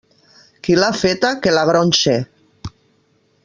Qui l'ha feta, que la gronxe.